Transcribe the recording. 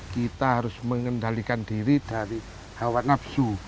kita harus mengendalikan diri dari hawa nafsu